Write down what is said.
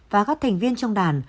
và các thành viên trong đàn